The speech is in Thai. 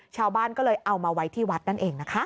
ชาวบ้านก็เลยเอามาไว้ที่วัดนั่นเองนะคะ